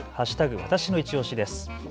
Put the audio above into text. わたしのいちオシです。